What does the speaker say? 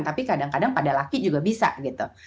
tapi kadang kadang pada laki juga bisa gitu